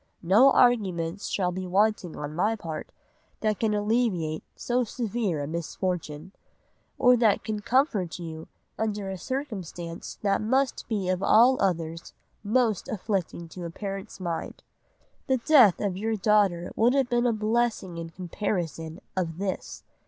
No arguments shall be wanting on my part, that can alleviate so severe a misfortune; or that can comfort you under a circumstance that must be of all others, most afflicting to a parent's mind. The death of your daughter would have been a blessing in comparison of this.